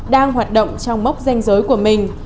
đang hoạt động trong mốc danh giới của mình